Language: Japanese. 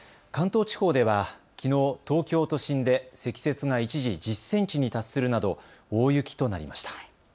関東地方ではきのう、東京都心で積雪が一時１０センチに達するなど大雪となりました。